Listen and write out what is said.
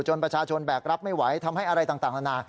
ประชาชนแบกรับไม่ไหวทำให้อะไรต่างนานา